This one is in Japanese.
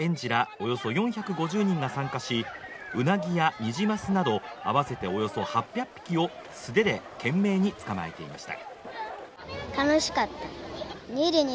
およそ４５０人が参加しウナギやニジマスなど合わせておよそ８００匹を素手で懸命に捕まえていました。